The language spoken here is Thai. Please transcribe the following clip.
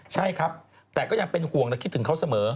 ใช่ครับแต่ก็ยังเป็นห่วงและคิดถึงเขาเสมอ